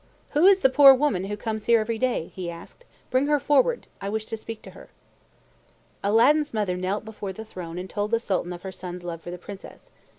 "Who is the poor woman who comes here every day?" he asked. "Bring her forward. I wish to speak to her." Aladdin's mother knelt before the throne and told the Sultan of her son's love for the Princess.